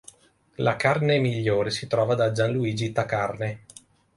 La carne migliore si trova da 'Gianluigi ta carne'.